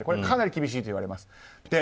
かなり厳しいといわれます。